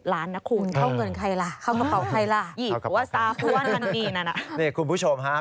ล้านนะคุณเข้าเงินใครล่ะเข้ากระเป๋าใครล่ะหรือว่าสาพว่านกันนี่นั่น